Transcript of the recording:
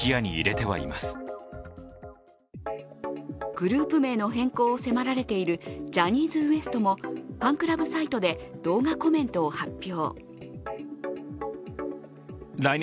グループ名の変更を迫られているジャニーズＷＥＳＴもファンクラブサイトで動画コメントを発表。